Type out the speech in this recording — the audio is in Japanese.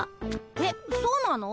えっそうなの？